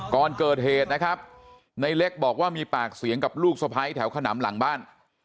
ก่อนเกิดเหตุนะครับในเล็กบอกว่ามีปากเสียงกับลูกสะพ้ายแถวขนำหลังบ้าน